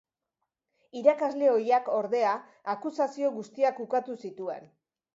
Irakasle ohiak, ordea, akusazio guztiak ukatu zituen.